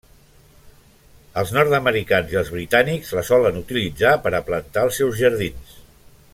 Els nord-americans i els britànics la solen utilitzar per a plantar als seus jardins.